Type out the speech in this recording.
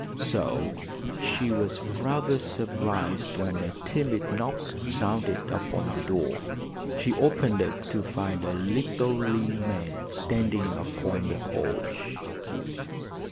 So she was rather surprised when a timid knock sounded upon the door. She opened it to find a little, lean man standing upon the porch.